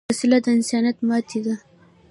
وسله د انسانیت ماتې ده